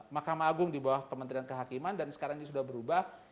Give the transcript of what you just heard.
mahkamah agung di bawah kementerian kehakiman dan sekarang ini sudah berubah